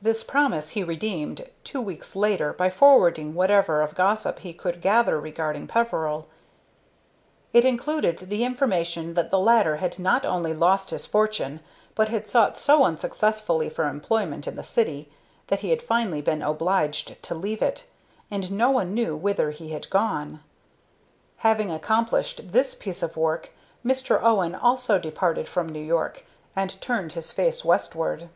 This promise he redeemed two weeks later by forwarding whatever of gossip he could gather regarding Peveril. It included the information that the latter had not only lost his fortune, but had sought so unsuccessfully for employment in the city that he had finally been obliged to leave it, and no one knew whither he had gone. Having accomplished this piece of work, Mr. Owen also departed from New York, and turned his face westward.